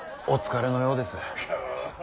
お疲れのようです。